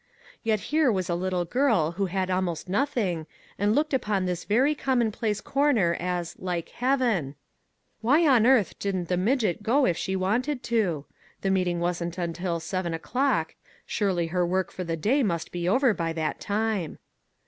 Yet here was a little girl who had almost nothing, and looked upon this very commonplace cor ner as " like heaven !" /Why on earth didn't the midget go if she wanted to? The meeting wasn't until seven o'clock ; surely her work for the day must be over by that time.